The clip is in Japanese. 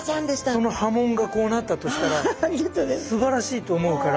その波紋がこうなったとしたらすばらしいと思うから。